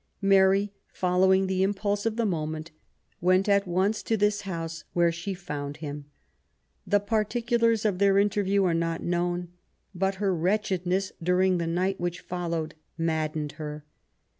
Mary, following the im pulse of the moment, went at once to this house, where she found him. The particulars of their interview are not known; but her wretchedness during the night which followed maddened her.